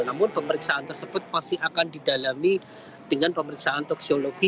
namun pemeriksaan tersebut masih akan didalami dengan pemeriksaan toksiologi